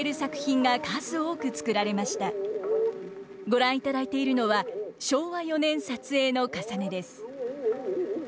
ご覧いただいているのは昭和４年撮影の「かさね」です。